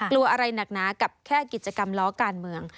กลัวอะไรหนักหนากับแค่กิจกรรมล้อการเมือง